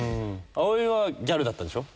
葵はギャルだったでしょ？